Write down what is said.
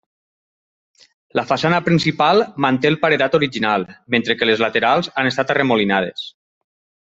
La façana principal manté el paredat original, mentre que les laterals han estat arremolinades.